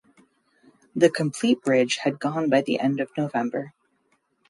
The complete bridge had gone by the end of November.